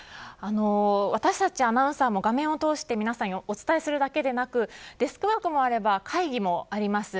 私たちアナウンサーも画面を通して皆さんにお伝えするだけではなくデスクワークもあれば会議もあります。